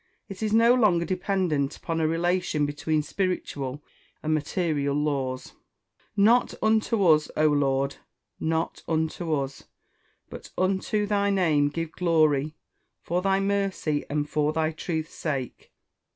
It is no longer dependent upon a relation between spiritual and material laws. [Verse: "Not unto us, O Lord, not unto us, but unto thy name give glory, for thy mercy, and for thy truth's sake."